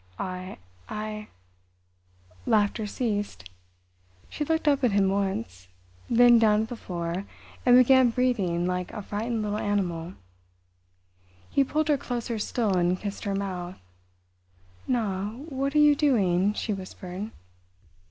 "I—I—" Laughter ceased. She looked up at him once, then down at the floor, and began breathing like a frightened little animal. He pulled her closer still and kissed her mouth. "Na, what are you doing?" she whispered.